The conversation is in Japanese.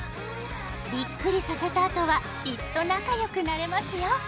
びっくりさせたあとはきっと仲良くなれますよ。